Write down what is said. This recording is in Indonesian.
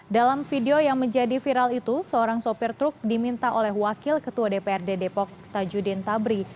dalam video yang menjadi viral itu seorang sopir truk diminta oleh wakil ketua dprd depok tajudin tabri